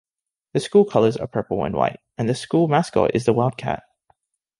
The school colors are purple and white and the school mascot is the Wildcat.